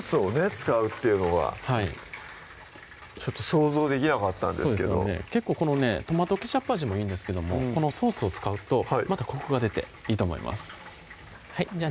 使うっていうのがちょっと想像できなかったんですけど結構このねトマトケチャップ味もいいんですけどもこのソースを使うとまたコクが出ていいと思いますじゃあ